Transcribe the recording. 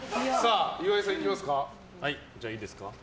岩井さん、いきますか。